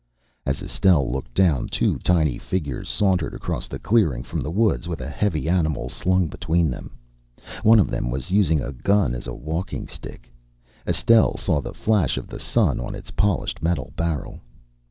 As Estelle looked down two tiny figures sauntered across the clearing from the woods with a heavy animal slung between them. One of them was using a gun as a walking stick. Estelle saw the flash of the sun on its polished metal barrel.